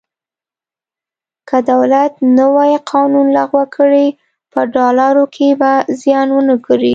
که دولت نوی قانون لغوه کړي په ډالرو کې به زیان ونه کړي.